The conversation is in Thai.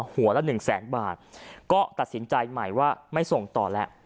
หัวละหนึ่งแสนบาทก็ตัดสินใจใหม่ว่าไม่ส่งต่อแล้ว